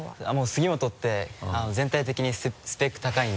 杉本って全体的にスペック高いんで。